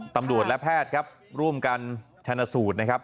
ตำรวจและแพทย์ครับร่วมกันชนสูตรนะครับ